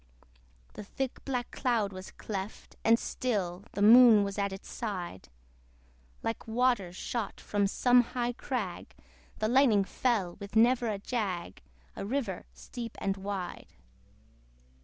The thick black cloud was cleft, and still The Moon was at its side: Like waters shot from some high crag, The lightning fell with never a jag, A river steep and wide.